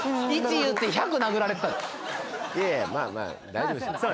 今いやいやまあまあ大丈夫っしょ